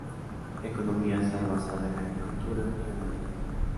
La economía ha estado basada en la agricultura y ganadería.